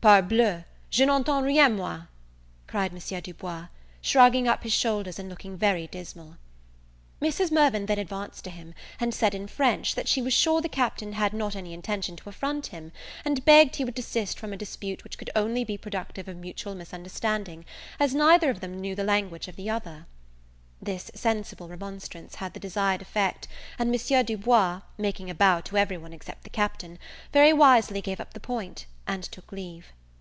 "Parbleu, je n'entends rien, moi!" cried M. Du Bois, shrugging up his shoulders, and looking very dismal. Mrs. Mirvan then advanced to him, and said in French, that she was sure the Captain had not any intention to affront him, and begged he would desist from a dispute which could only be productive of mutual misunderstanding, as neither of them knew the language of the other. This sensible remonstrance had the desired effect; and M. Du Bois, making a bow to every one except the Captain, very wisely gave up the point, and took leave.